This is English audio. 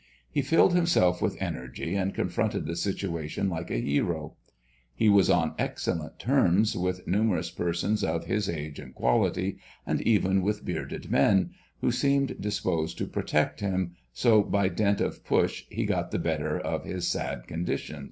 He filled himself with energy and confronted the situation like a hero. He was on excellent terms with numerous persons of his age and quality, and even with bearded men, who seemed disposed to protect him, so by dint of push he got the better of his sad condition.